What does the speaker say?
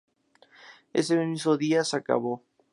Ese mismo día dijo "Se acabó.